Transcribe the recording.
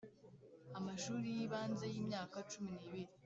amashuri y ibanze y imyaka cumi n ibiri.